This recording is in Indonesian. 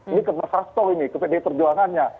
ini ke mas rastow ini ke pd perjuangannya